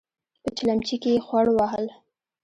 په چلمچي کې يې خوړ وهل.